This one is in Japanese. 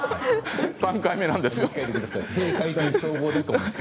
３回目なんですよ。